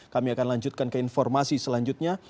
kami akan lanjutkan ke informasi selanjutnya